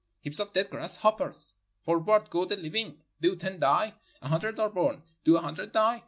Heaps of dead grasshoppers. Forward go the living. Do ten die? A hundred are born. Do a hundred die?